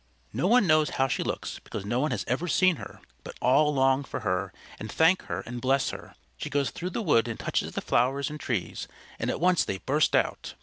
No one knows how she looks, because no one has ever seen her. But all long for her, and thank her and bless her. She goes through the wood and touches the flowers and trees, and at once they burst out.